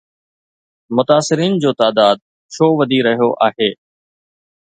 متاثرين جو تعداد ڇو وڌي رهيو آهي؟